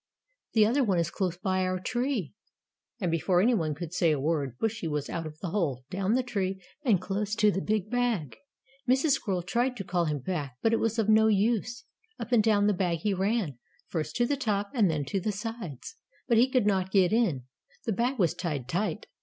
"The other one is close by our tree," and before any one could say a word, Bushy was out of the hole, down the tree, and close to the big bag. Mrs. Squirrel tried to call him back, but it was of no use. Up and down the bag he ran, first to the top and then to the sides. But he could not get in the bag was tied tight.